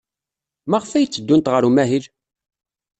Maɣef ay tteddunt ɣer umahil?